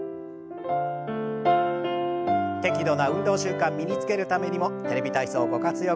適度な運動習慣身につけるためにも「テレビ体操」ご活用ください。